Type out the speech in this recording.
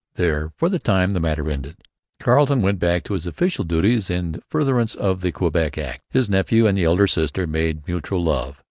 There, for the time, the matter ended. Carleton went back to his official duties in furtherance of the Quebec Act. His nephew and the elder sister made mutual love.